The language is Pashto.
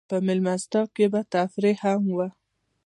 په مېلمستیاوو کې به تفریح هم وه.